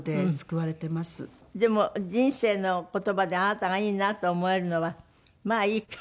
でも人生の言葉であなたがいいなと思えるのは「まあいいか」